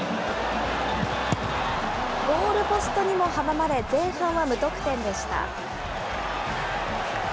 ゴールポストにも阻まれ、前半は無得点でした。